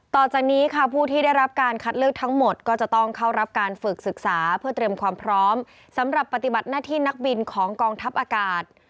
ต่อจากนี้ค่ะผู้ที่ได้รับการคัดเลือกทั้งหมดก็จะต้องเข้ารับการฝึกศึกษาเพื่อเตรียมความพร้อมสำหรับปฏิบัติหน้าที่นักบินของกองทัพอากาศ